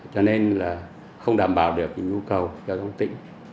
cho nên là không đảm bảo được nhu cầu cho các tỉnh